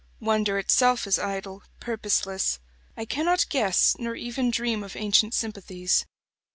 Wonder itself is idle, purposeless; I cannot guess Nor even dream of ancient sympathies.